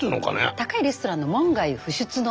高いレストランの門外不出の技みたいな。